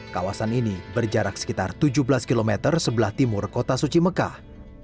kawasan ini berjarak sekitar tujuh belas km sebelah timur kota suci mekah